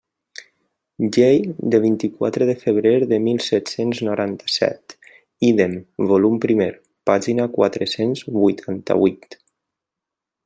Llei del vint-i-quatre de febrer de mil set-cents noranta-set, ídem, volum primer, pàgina quatre-cents vuitanta-vuit.